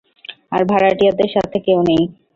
আর ভাড়াটিয়াদের সাথে কেউ নাই।